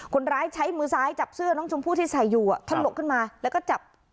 คนร้ายใช้มือซ้ายจับเสื้อน้องชมพู่ที่ใส่อยู่อ่ะถลกขึ้นมาแล้วก็จับ